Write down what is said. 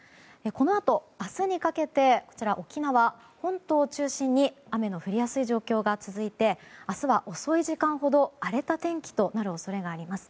このあと、明日にかけて沖縄本島を中心に雨の降りやすい状況が続いて明日は遅い時間ほど荒れた天気となる恐れがあります。